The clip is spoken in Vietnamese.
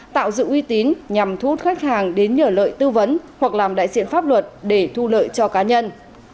tạo dự uy tín nhằm thu hút khách hàng đến nhờ lợi tư vấn hoặc làm đại diện pháp luật để thu lợi cho cá nhân